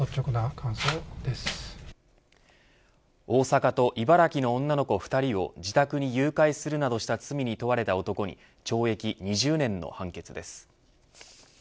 大阪と茨城の女の子２人を自宅に誘拐するなどした罪に問われた男に懲役２０年の判決です。